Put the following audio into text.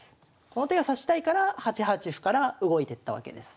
この手が指したいから８八歩から動いてったわけです。